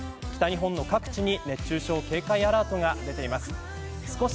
北日本の各地に熱中症警戒アラートが出ています。